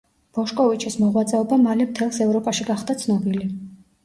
ბოშკოვიჩის მოღვაწეობა მალე მთელს ევროპაში გახდა ცნობილი.